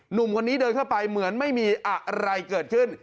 หนุ่มคนนี้เดินเข้าไปเหมือนไม่มีอะไรเกิดขึ้น